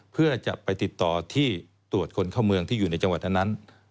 เพื่อจะไปติดต่อที่ตรวจคนเข้าเมืองที่อยู่ในจังหวัดนั้น